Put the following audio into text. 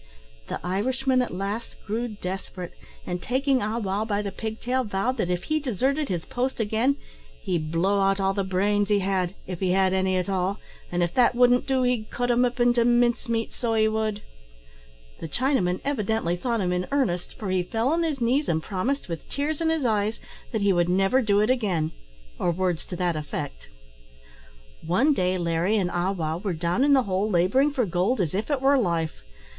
The Irishman at last grew desperate, and, taking Ah wow by the pig tail, vowed that if he deserted his post again, "he'd blow out all the brains he had if he had any at all an' if that wouldn't do, he'd cut him up into mince meat, so he would." The Chinaman evidently thought him in earnest, for he fell on his knees, and promised, with tears in his eyes, that he would never do it again or words to that effect. One day Larry and Ah wow were down in the hole labouring for gold as if it were life.